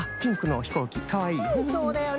そうだよね。